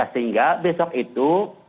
sehingga besok itu